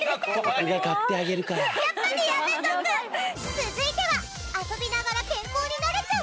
続いては遊びながら健康になれちゃう！？